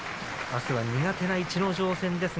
あすは苦手の逸ノ城戦です。